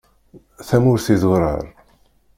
Tamurt idurar.